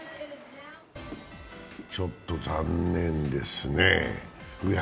ちょっと残念ですね。